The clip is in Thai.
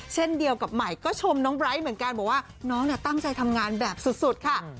เช่นเดียวกับใหม่ก็ชมน้องไบร์ทเหมือนกันบอกว่าน้องตั้งใจทำงานแบบสุดค่ะ